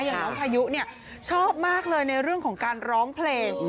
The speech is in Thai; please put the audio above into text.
อย่างน้องพายุเนี่ยชอบมากเลยในเรื่องของการร้องเพลง